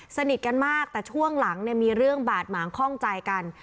สนิทกันมากแต่ช่วงหลังเนี่ยมีเรื่องบาดหมางคล่องใจกัน